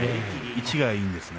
位置がいいんですね。